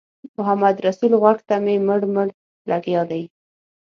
محمدرسول غوږ ته مې مړ مړ لګیا دی.